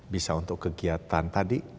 bisa untuk kegiatan tadi